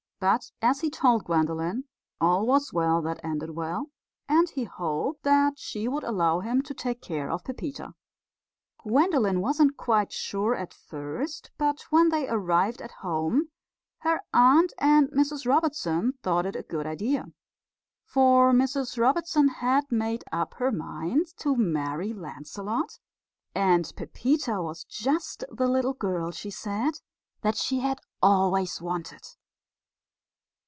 But, as he told Gwendolen, all was well that ended well, and he hoped that she would allow him to take care of Pepita. Gwendolen wasn't quite sure at first, but when they arrived home her aunt and Mrs Robertson thought it a good idea. For Mrs Robertson had made up her mind to marry Lancelot, and Pepita was just the little girl, she said, that she had always wanted.